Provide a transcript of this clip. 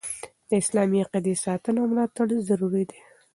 د اسلامي عقیدي ساتنه او ملاتړ ضروري دي.